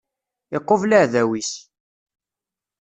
Iqubel aεdaw-is.